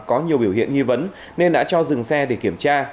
có nhiều biểu hiện nghi vấn nên đã cho dừng xe để kiểm tra